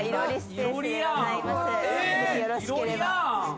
よろしければ。